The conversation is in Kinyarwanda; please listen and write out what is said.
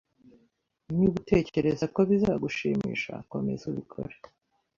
Niba utekereza ko bizagushimisha, komeza ubikore